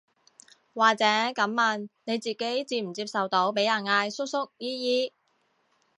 或者噉問，你自己接唔接受到被人嗌叔叔姨姨